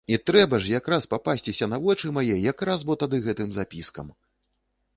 І трэба ж якраз папасціся на вочы мае якраз бо тады гэтым запіскам!